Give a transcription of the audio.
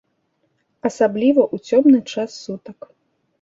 Асабліва ў цёмны час сутак.